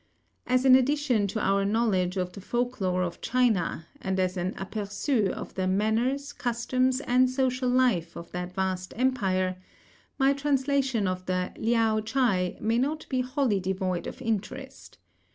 As an addition to our knowledge of the folk lore of China, and as an aperçu of the manners, customs, and social life of that vast Empire, my translation of the Liao Chai may not be wholly devoid of interest.